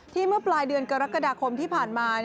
เมื่อปลายเดือนกรกฎาคมที่ผ่านมา